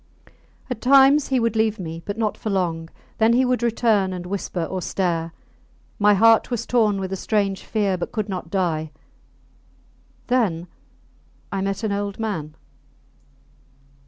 At times he would leave me, but not for long; then he would return and whisper or stare. My heart was torn with a strange fear, but could not die. Then I met an old man.